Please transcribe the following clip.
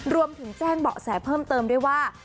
รวมถึงแจ้งเบาะแสเพิ่มเติมด้วยว่า